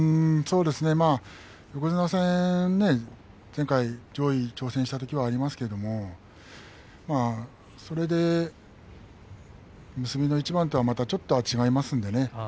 横綱戦前回、上位に挑戦したことはありますけれどもそれで結びの一番とはまたちょっと違いますのでね。